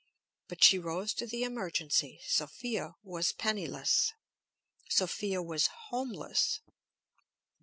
But she rose to the emergency. Sophia was penniless. Sophia was homeless.